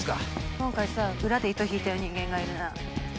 今回さ裏で糸引いてる人間がいるな。